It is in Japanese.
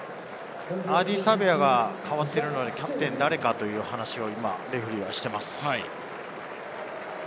アーディー・サヴェアが代わっているのでキャプテンは誰かという話をしています。